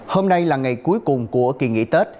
hôm nay là ngày cuối cùng của kỳ nghỉ tết